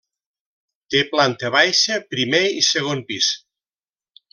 Té planta baixa, primer i segon pis.